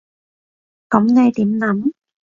噉你點諗？